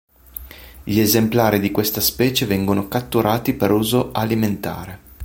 Gli esemplari di questa specie vengono catturati per uso alimentare.